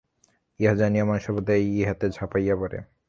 ইহা জানিয়াও মানুষ সর্বদাই ইহাতে ঝাঁপাইয়া পড়ে।